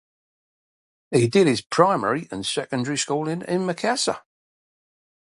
He did his primary and secondary schooling in Makassar.